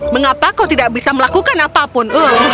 mengapa kau tidak bisa melakukan apapun